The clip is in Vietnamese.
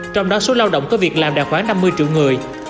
trong đó số lao động có việc làm đạt khoảng năm mươi triệu người